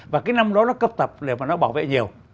và cái năm đó nó cấp tập để bảo vệ nhiều